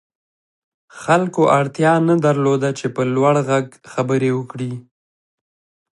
خلکو اړتيا نه درلوده چې په لوړ غږ خبرې وکړي.